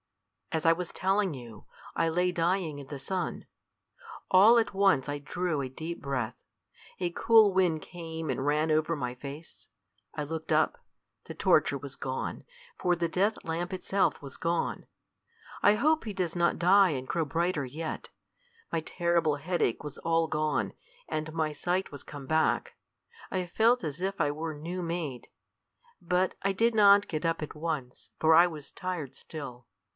As I was telling you, I lay dying in the sun. All at once I drew a deep breath. A cool wind came and ran over my face. I looked up. The torture was gone, for the death lamp itself was gone. I hope he does not die and grow brighter yet. My terrible headache was all gone, and my sight was come back. I felt as if I were new made. But I did not get up at once, for I was tired still.